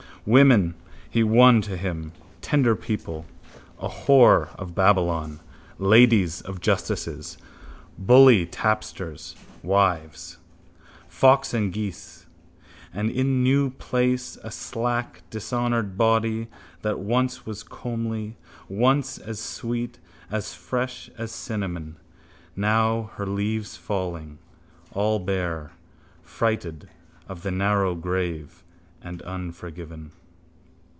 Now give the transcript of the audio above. Women he won to him, tender people, a whore of Babylon, ladies of justices, bully tapsters' wives. Fox and geese. And in New Place a slack dishonoured body that once was comely, once as sweet, as fresh as cinnamon, now her leaves falling, all, bare, frighted of the narrow grave and unforgiven.